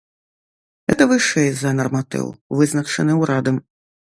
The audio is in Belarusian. Гэта вышэй за нарматыў, вызначаны ўрадам.